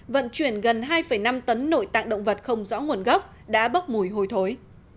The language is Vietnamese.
vận chuyển gần hai năm tấn nội tạng động vật không rõ nguồn gốc đã bớt mùi hồi thối